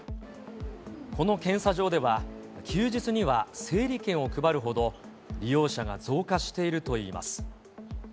この検査場では、休日には整理券を配るほど、利用者が増加しているといいます。